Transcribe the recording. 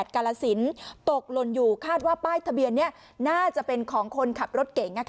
กาลสินตกหล่นอยู่คาดว่าป้ายทะเบียนนี้น่าจะเป็นของคนขับรถเก๋ง